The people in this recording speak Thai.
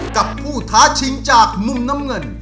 กับผู้ท้าชิงจากมุมน้ำเงิน